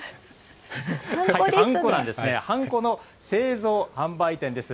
ハンコなんですね、ハンコの製造・販売店です。